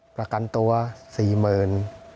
ประกันตัวสี่หมื่น